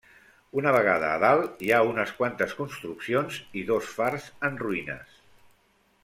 Una vegada a dalt, hi ha unes quantes construccions i dos fars en ruïnes.